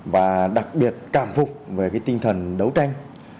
và đặc biệt cảm phục về cái tinh thần đấu tranh